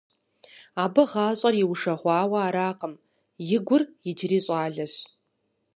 Абы гъащӀэр иужэгъуауэ аракъым, и гур иджыри щӀалэщ.